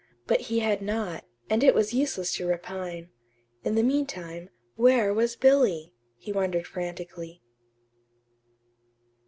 but he had not; and it was useless to repine. In the meantime, where was Billy, he wondered frantically.